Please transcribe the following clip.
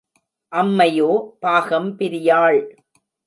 அம்மையோ பாகம் பிரியாள்.